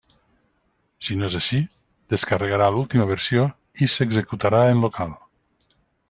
Si no és així, descarregarà l'última versió i s'executarà en local.